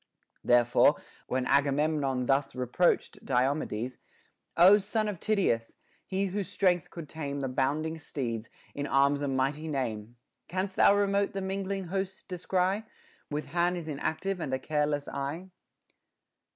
Therefore, when Agamemnon thus reproached Diomedes, O son of Tydeus !— he whose strength could tame The bounding steeds, in anus a mighty name, — 310 HOW A MAN MAY PRAISE HIMSELF Canst tliou remote the mingling hosts descry, With han Is inactive and a careless eye